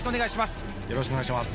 よろしくお願いします